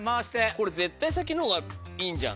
これ絶対先の方がいいんじゃん。